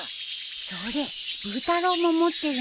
それブー太郎も持ってるんだ。